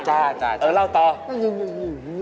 จ้ะมันอยู่ไม่รู้เลยนะอยู่